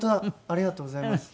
ありがとうございます。